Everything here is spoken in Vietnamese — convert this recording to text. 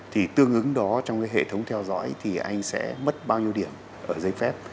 thì tương ứng đó trong cái hệ thống theo dõi thì anh sẽ mất bao nhiêu điểm ở giấy phép